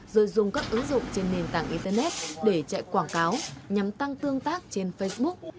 rồi dùng các ứng dụng trên nền tảng internet để chạy quảng cáo nhằm tăng tương tác trên facebook